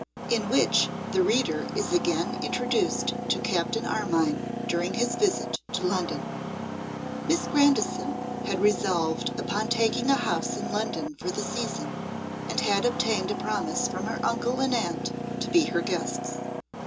In Which the Reader Is Again Introduced to Captain Armine, during His Visit to London. MISS GRANDISON had resolved upon taking a house in London for the season, and had obtained a promise from her uncle and aunt to be her guests.